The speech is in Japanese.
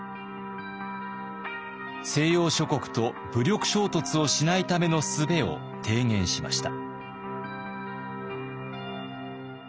西洋諸国と武力衝突をしないためのすべを提言しました。